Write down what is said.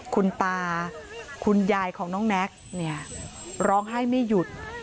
คุณตาคุณยายของน้องแน็กเนี่ยร้องไห้ไม่หยุด